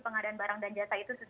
pengadaan barang dan jasa itu